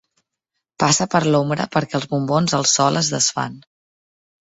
Passa per l'ombra, perquè els bombons al sol es desfan.